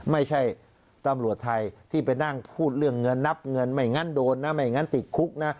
ไม่ใช่ตำรวจไทยที่ไปนั่งพูดเรื่องเงินนับเงินไม่งั้นโดนนะไม่งั้นติดคุกนะ